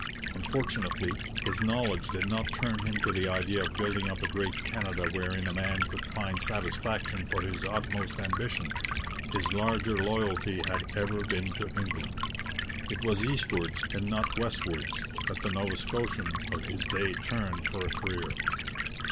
Unfortunately, his knowledge did not turn him to the idea of building up a great Canada wherein a man could find satisfaction for his utmost ambition; his larger loyalty had ever been to England. It was eastwards and not westwards that the Nova Scotian of his day turned for a career.